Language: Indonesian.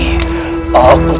atau kita bertukar tugas